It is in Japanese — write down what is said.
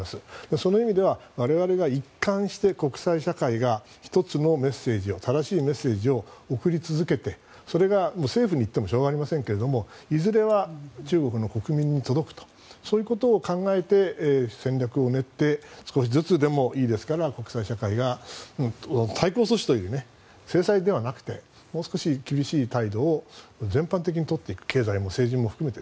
その意味では我々が一貫して国際社会が１つのメッセージを正しいメッセージを送り続けてそれが政府に言ってもしょうがないですがいずれは中国の国民に届くとそういうことを考えて戦略を練って少しずつでもいいですから国際社会が対抗措置という制裁ではなくてもう少し厳しい態度を全般的に取っていく経済も政治も含めて。